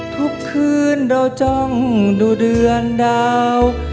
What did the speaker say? ทุกคืนเราจ้องดูเดือนดาว